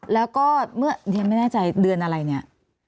แล้วก็เดี๋ยวไม่แน่ใจเดือนอะไรเนี่ย